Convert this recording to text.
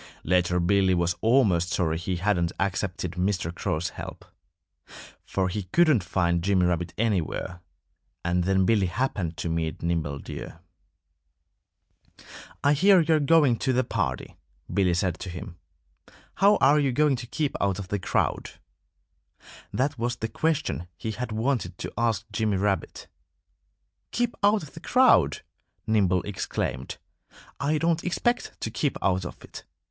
Later Billy was almost sorry he hadn't accepted Mr. Crow's help. For he couldn't find Jimmy Rabbit anywhere. And then Billy happened to meet Nimble Deer. "I hear you're going to the party," Billy said to him. "How are you going to keep out of the crowd?" That was the question he had wanted to ask Jimmy Rabbit. "Keep out of the crowd!" Nimble exclaimed. "I don't expect to keep out of it.